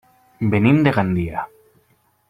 Venim de Gandia.